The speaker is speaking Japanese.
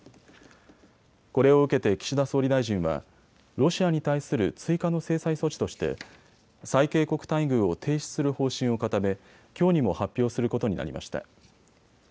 これを受けて岸田総理大臣はロシアに対する追加の制裁措置として最恵国待遇を停止する方針を固めきょうにも発表することになりました。